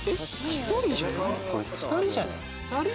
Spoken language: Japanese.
１人じゃない？